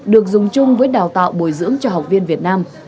được dùng chung với đào tạo bồi dưỡng cho học viên việt nam